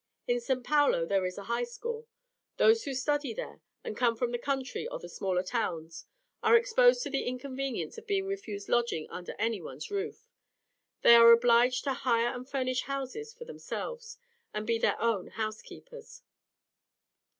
In St. Paulo there is a High School. Those who study there, and come from the country or the smaller towns, are exposed to the inconvenience of being refused lodgings under any one's roof. They are obliged to hire and furnish houses for themselves, and be their own housekeepers.